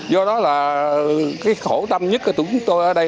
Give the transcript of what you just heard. do đó là cái khổ tâm nhất của tụi tôi ở đây là nó vậy